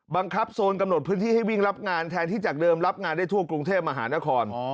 บังคับโซนกำหนดพื้นที่ให้วิ่งรับงานแทนที่จากเดิมรับงานได้ทั่วกรุงเทพมหานคร